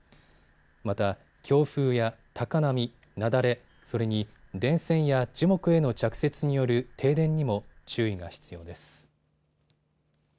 また強風や高波雪崩、それに電線や樹木への着雪による停電にも注意が必要です。